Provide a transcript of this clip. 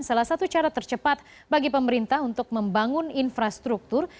salah satu cara tercepat bagi pemerintah untuk membangun infrastruktur